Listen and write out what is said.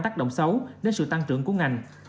tác động xấu đến sự tăng trưởng của ngành